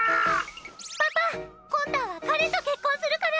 パパコンたんは彼と結婚するから！